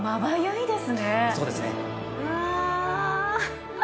そうですね。